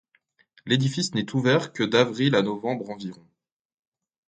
L'édifice n'est ouvert que d'avril à novembre environ.